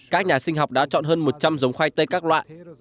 các nhà sinh học đã chọn hơn một trăm linh giống khoai tây các nhà sinh học